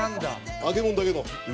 揚げ物だけの。